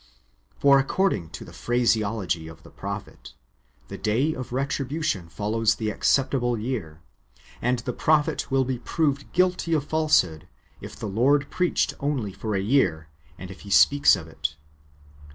For, according to the phraseology of the prophet, the day of retribution follows the [acceptable] year ; and the prophet will be proved guilty of falsehood if the Lord preached only for a year, and if he speaks of it.